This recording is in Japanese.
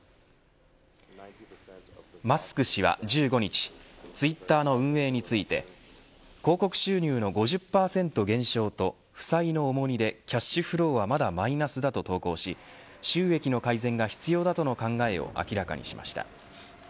マスク氏は、１５日ツイッターの運営について広告収入の５０％減少と負債の重荷でキャッシュフローはまだマイナスだと投稿し収益の改善が必要だとの考えを明らかにしました。